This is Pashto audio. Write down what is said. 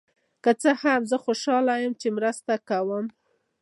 که څه هم، زه خوشحال یم چې مرسته کوم.